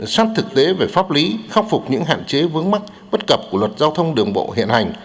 sát thực tế về pháp lý khắc phục những hạn chế vướng mắc bất cập của luật giao thông đường bộ hiện hành